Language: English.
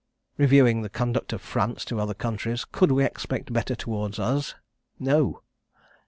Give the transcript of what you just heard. Reviewing the conduct of France to other countries, could we expect better towards us? No!